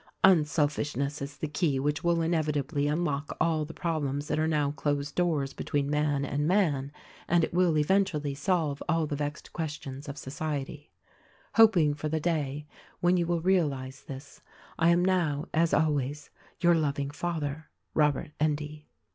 "Unselfishness is the key which will inevitablv unlock all the problems that are now closed doors between man 136 THE RECORDING ANGEL and man; and it will eventually solve all the vexed questions of society. "Hoping for the day when you will realize this, I am now, as always, Your loving father, Robert Endy."